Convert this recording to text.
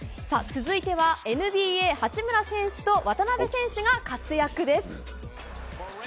続いては、ＮＢＡ八村選手と渡邊選手が活躍です。